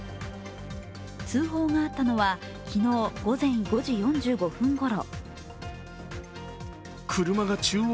通報があったのは昨日午前５時４５分ごろ。